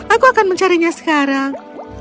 aku akan mencarinya sekarang